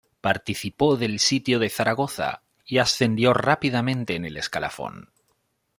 Participó del sitio de Zaragoza y ascendió rápidamente en el escalafón.